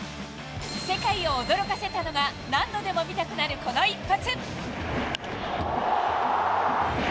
世界を驚かせたのが、何度でも見たくなるこの一発。